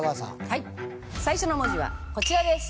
最初の文字はこちらです。